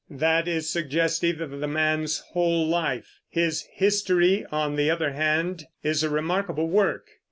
That is suggestive of the man's whole life. His History, on the other hand, is a remarkable work.